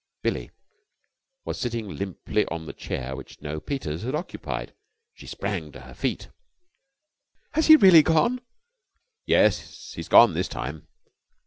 Billie was sitting limply on the chair which Jno. Peters had occupied. She sprang to her feet. "Has he really gone?" "Yes, he's gone this time."